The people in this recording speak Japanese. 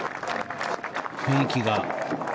雰囲気が。